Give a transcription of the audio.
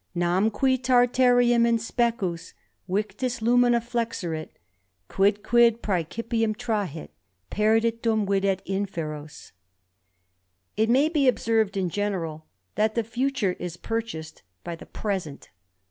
Nam qui Tartareum in specus Victus lumina flexerit, Quidquid prsecipuum trahit, Perdit, dum videt inferos." It may be observed in general, that the future is purchased by the present.